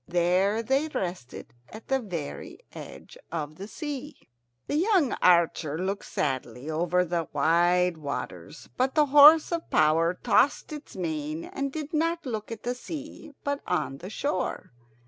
There they rested, at the very edge of the sea. The young archer looked sadly over the wide waters, but the horse of power tossed its mane and did not look at the sea, but on the shore.